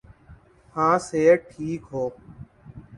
ہاں صحت ٹھیک ہو۔